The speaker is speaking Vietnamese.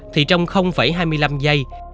thì trong hai mươi năm giây